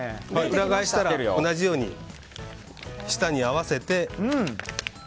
裏返したら同じように下に合わせて。